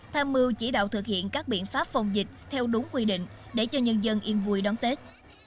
tham mưu chỉ đạo thực hiện các biện pháp phòng dịch theo đúng quy định để cho nhân dân yên vui đón tết